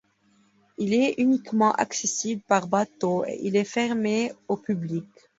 Il est uniquement accessible par bateau et il est fermé au public.